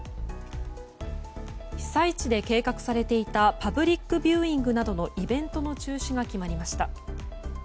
被災地で計画されていたパブリックビューイングなどのイベントの中止が決まりました。